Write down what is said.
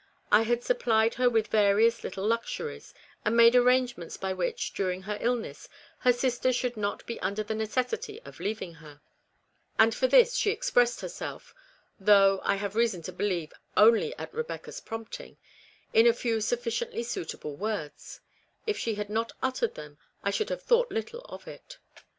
I had supplied her with various little luxuries, and made arrangements by which, during her illness, her sister should not be under the necessity of leaving her; and for this she expressed her self though, I have reason to believe, only at Rebecca's prompting in a few sufficiently suitable words ; if she had not uttered them I should have thought little of it.